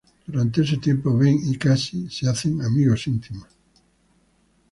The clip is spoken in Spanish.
Durante ese tiempo Ben y Cassie se hacen amigos íntimos.